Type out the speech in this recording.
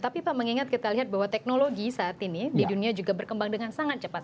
tapi pak mengingat kita lihat bahwa teknologi saat ini di dunia juga berkembang dengan sangat cepat